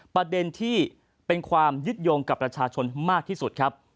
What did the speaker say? ประเด็นที่เป็นความยึดโยงกับประชาชนมากที่สุดครับ